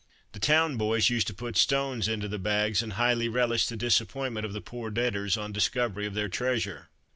The town boys used to put stones into the bags, and highly relished the disappointment of the "poor debtors," on discovery of their "treasure."